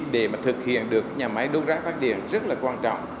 để mà thực hiện được nhà máy đốt rác phát điện rất là quan trọng